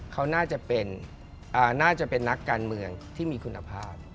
เขาน่าจะเป็นนักการเมืองที่มีคุณภาพ